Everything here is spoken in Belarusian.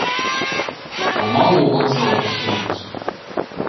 Памалу ў вакзал пасунуўся.